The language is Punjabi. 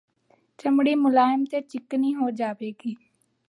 ਚਮਡੀ ਮੁਲਾਇਮ ਤੇ ਚਿਕਨੀ ਹੋ ਜਾਵੇਗੀ